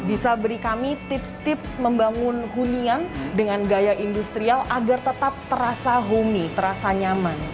bisa beri kami tips tips membangun hunian dengan gaya industrial agar tetap terasa homey terasa nyaman